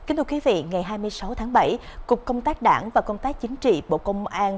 ngày hai mươi sáu tháng bảy cục công tác đảng và công tác chính trị bộ công an